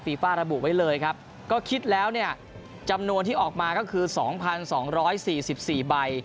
ฟีฟาร์ระบุไว้เลยครับก็คิดแล้วเนี่ยจำนวนที่ออกมาก็คือสองพันสองร้อยสี่สิบสี่ใบ